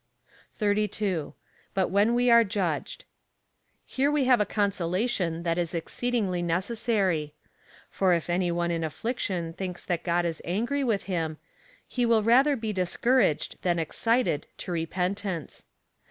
32. But when we are judged. Here we have a consolation that is exceedingly necessary ; for if any one in affliction thinks that God is angry with him, he will rather be dis couraged than excited to repentance.